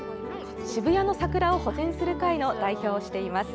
渋谷の桜を保全する会の代表をしています。